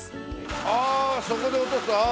ああそこで落とすとああ！